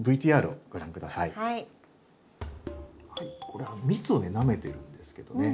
これ蜜をなめてるんですけどね。